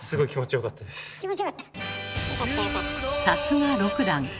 さすが六段